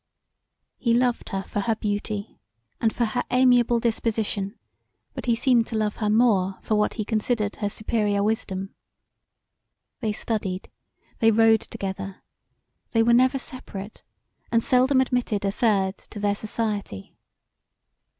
He loved her for her beauty and for her amiable disposition but he seemed to love her more for what he considered her superior wisdom. They studied, they rode together; they were never seperate and seldom admitted a third to their society.